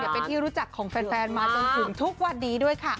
ปีนี้ครบ๕ปีแล้วคุณผู้ชมค่ะ